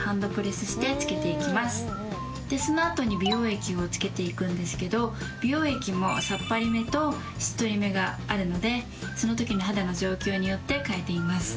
でそのあとに美容液をつけていくんですけど美容液もさっぱりめとしっとりめがあるのでその時の肌の状況によって変えています。